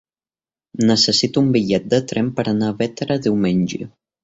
Necessito un bitllet de tren per anar a Bétera diumenge.